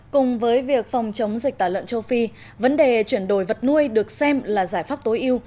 cùng với việc phòng chống dịch tả lợn châu phi vấn đề chuyển đổi vật nuôi được xem là giải pháp tối yêu